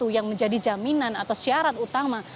yang menjadi jaminan atau syarat utama